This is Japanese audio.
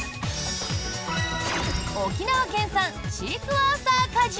沖縄県産シークヮーサー果汁。